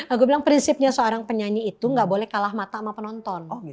aku bilang prinsipnya seorang penyanyi itu gak boleh kalah mata sama penonton